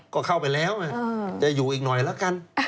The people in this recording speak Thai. ก็เข้าไปแล้วจะอยู่อีกหน่อยละกัน